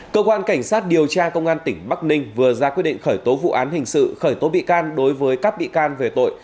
cơ quan cảnh sát điều tra công an tỉnh bắc ninh vừa ra quyết định khởi tố vụ án hình sự khởi tố bị can đối với các bị can về tội